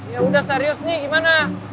ya udah serius nih gimana